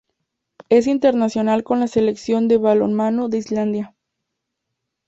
Es internacional con la Selección de balonmano de Islandia.